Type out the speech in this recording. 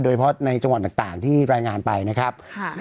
เฉพาะในจังหวัดต่างที่รายงานไปนะครับ